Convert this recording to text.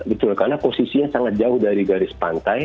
betul karena posisinya sangat jauh dari garis pantai